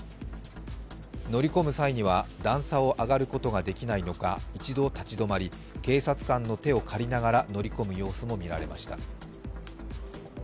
乗り込む際には、段差を上がることができないのか、一度立ち止まり、警察官の手をかりながら乗り込む様子も見られました。